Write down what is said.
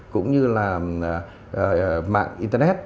cũng như là mạng internet